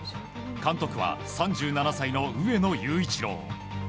監督は３７歳の上野裕一郎。